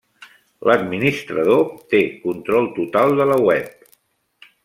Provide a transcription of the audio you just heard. L'administrador té control total de la web.